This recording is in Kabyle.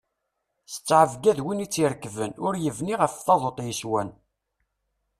S ttɛebga d win tt-irekben, ur yebni ɣef taḍuṭ yeswan.